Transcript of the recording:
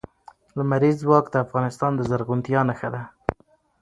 لمریز ځواک د افغانستان د زرغونتیا نښه ده.